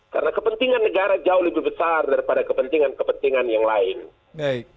karena kepentingan negara jauh lebih besar daripada kepentingan kepentingan yang lain